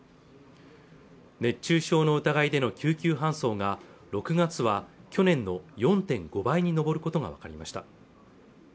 熱中症の疑いでの救急搬送が６月は去年の４．５倍に上ることが分かりました